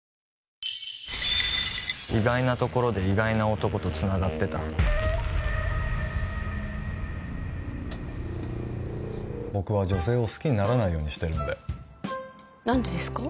意外なところで意外な男とつながってた僕は女性を好きにならないようにしてるんでなんでですか？